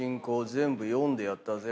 全部読んでやったぜ。